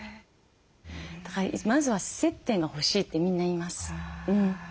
だからまずは接点が欲しいってみんな言います。